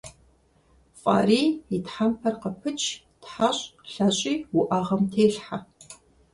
ФӀарий и тхьэмпэр къыпыч, тхьэщӀ, лъэщӀи уӀэгъэм телъхьэ.